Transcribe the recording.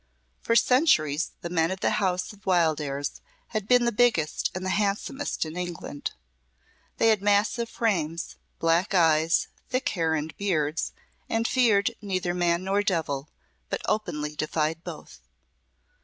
For centuries the men of the house of Wildairs had been the biggest and the handsomest in England. They had massive frames, black eyes, thick hair and beards, and feared neither man nor devil, but openly defied both.